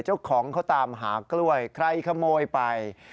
เจ้าของเขาตามหากล้วยใครขโมยไป